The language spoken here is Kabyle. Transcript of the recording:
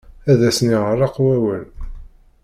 Ad asen-yeεreq wawal.